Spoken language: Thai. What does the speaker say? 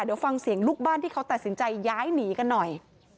เดี๋ยวฟังเสียงลูกบ้านที่เขาตัดสินใจย้ายหนีกันหน่อย